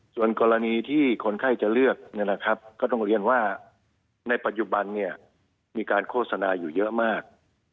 ส่วนกรณีที่คนไข้จะเลือกก็ต้องเรียนว่าในปัจจุบันมีการโฆษณาอยู่เยอะมาก